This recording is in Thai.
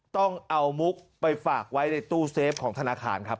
ต้องเอามุกไปฝากไว้ในตู้เซฟของธนาคารครับ